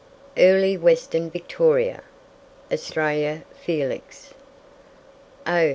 EARLY WESTERN VICTORIA ("AUSTRALIA FELIX"). "Oh!